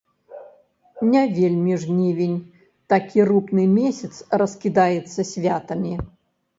Не вельмі жнівень, такі рупны месяц, раскідаецца святамі.